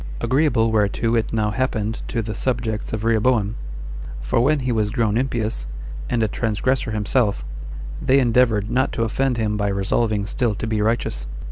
Agreeable whereto it now happened to the subjects of Rehoboam; for when he was grown impious, and a transgressor himself, they endeavored not to offend him by resolving still to be righteous.